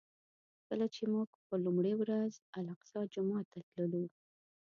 کله چې موږ په لومړي ورځ الاقصی جومات ته تللو.